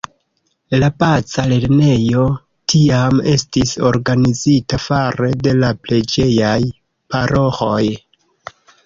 La baza lernejo tiam estis organizita fare de la preĝejaj paroĥoj.